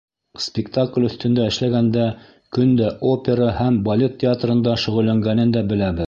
Спектакль өҫтөндә эшләгәндә көн дә опера һәм балет театрында шөғөлләнгәнен дә беләбеҙ.